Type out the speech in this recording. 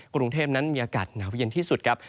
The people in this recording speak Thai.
กรุงเทพนั้นมีอากาศหนาวเย็นที่สุดครับ